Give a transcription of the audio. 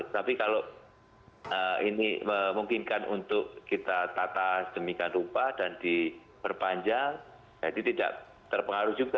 tapi kalau ini memungkinkan untuk kita tata sedemikian rupa dan diperpanjang jadi tidak terpengaruh juga